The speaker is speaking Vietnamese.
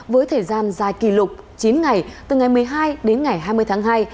với thời gian dài kỷ lục chín ngày từ ngày một mươi hai đến ngày hai mươi tháng hai